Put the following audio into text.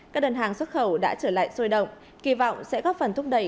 các đơn hàng xuất khẩu đã trở lại sôi động kỳ vọng sẽ góp phần thúc đẩy